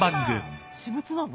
私物なの？